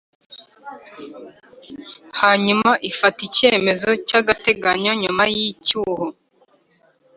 Hanyuma igafata icyemezo cy agateganyo nyuma y icyuho